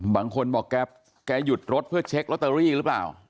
บางคนบอกแกหยุดรถเพื่อเช็คลอตเตอรี่หรือเปล่า